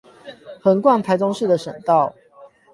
橫貫臺中市的省道